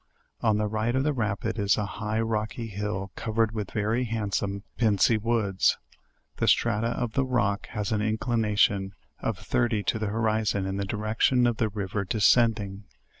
On the right of the rapid is a high rocky hill covered with very handsome pincy woods. The strata of the rock has an inclination of 30 to the horizon in the direction of the river desc ending.